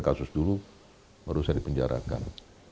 kasus dulu baru saya dipenjarakan